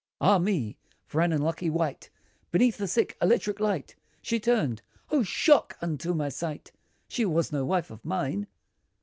Ah! me, for an unlucky wight! Beneath the sick electric light, She turned, O shock unto my sight! She was no wife of mine!